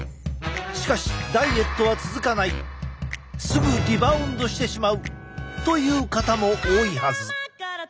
しかしダイエットは続かないすぐリバウンドしてしまうという方も多いはず。